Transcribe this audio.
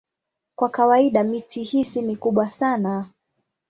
Kwa kawaida miti hii si mikubwa sana.